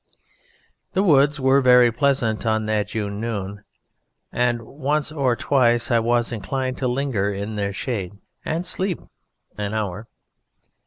The woods were very pleasant on that June noon, and once or twice I was inclined to linger in their shade and sleep an hour.